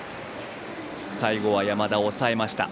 最後は山田、抑えました。